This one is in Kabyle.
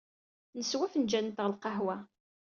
Neswa afenǧal-nteɣ n lqahwa.